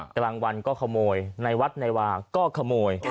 กลางวันก็ขโมยในวัดในวาก็ขโมย